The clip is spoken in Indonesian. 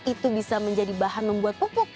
itu bisa menjadi bahan membuat popok